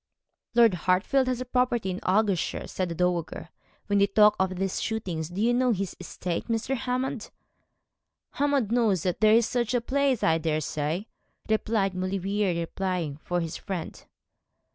'Lord Hartfield has property in Argyleshire,' said the dowager, when they talked of these shootings. 'Do you know his estate, Mr. Hammond?' 'Hammond knows that there is such a place, I daresay,' replied Maulevrier, replying for his friend.